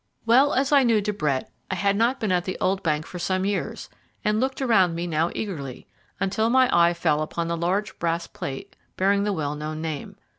Well as I knew De Brett, I had not been at the old bank for some years, and looked around me now eagerly, until my eye fell upon the large brass plate bearing the well known name.